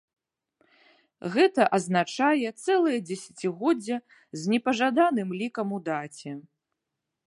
Гэта азначае цэлае дзесяцігоддзе з непажаданым лікам у даце.